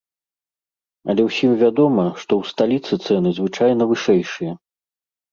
Але ўсім вядома, што ў сталіцы цэны звычайна вышэйшыя.